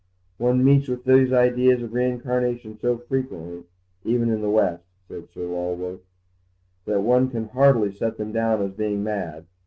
"One meets with those ideas of reincarnation so frequently, even in the West," said Sir Lulworth, "that one can hardly set them down as being mad.